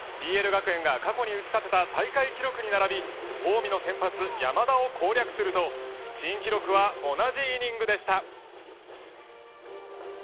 ＰＬ学園が過去に打ち立てた大会記録に並び近江の先発、山田を攻略すると新記録は同じイニングでした。